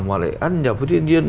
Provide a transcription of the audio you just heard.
mà lại ăn nhập với thiên nhiên